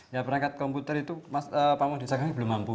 ya perangkat komputer itu pamung desa kami belum mampu